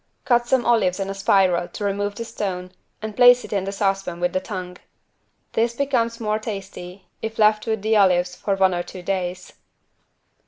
Cut some olives in a spiral to remove the stone and place it in the saucepan with the tongue. This becomes more tasty if left with the olives for one or two days.